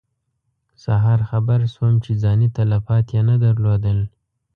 سهار خبر شوم چې ځاني تلفات یې نه درلودل.